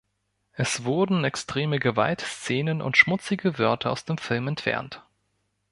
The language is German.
Es wurden extreme Gewaltszenen und „schmutzige“ Wörter aus dem Film entfernt.